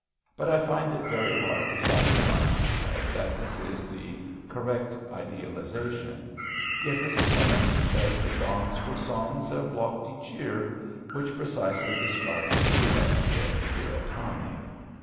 But I find it very hard to satisfy myself that this is the correct idealization. Yet Mrs. Hemans says the songs were "songs of lofty cheer," which precisely describes the duet in Puritani.